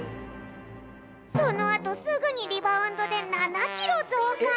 そのあとすぐにリバウンドで７キロぞうか！